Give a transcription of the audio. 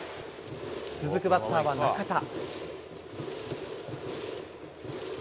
続くバッターは中田。